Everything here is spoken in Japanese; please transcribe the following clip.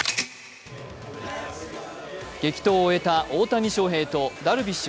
激闘を終えた大谷翔平とダルビッシュ